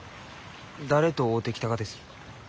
誰と会うてきたがです？